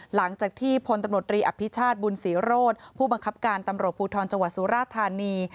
หลังจากที่พลตำรวจรีอภิชาติบุญศรีโรธผู้บังคับการตำรวจภูทรจังหวัดสุราธานี